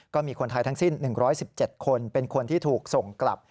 ก็มีคนไทยทั้งสิ้น๑๑๗คนเป็นคนที่ถูกส่งกลับ